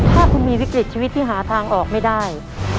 ถ้าคุณมีวิกฤตชีวิตที่หาทางออกไม่ได้